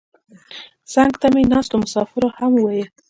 څنګ ته مې ناستو مسافرو هم ویل.